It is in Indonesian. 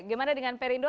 gimana dengan perindo